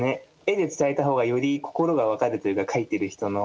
絵で伝えた方がより心が分かるというか描いてる人の。